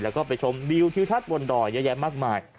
แล้วก็ไปชมวิวทิวทัศน์บนดอยเยอะแยะมากมาย